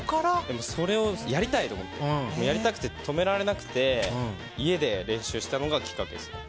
それをやりたいと思ってやりたくて、止められなくて家で練習したのがきっかけです。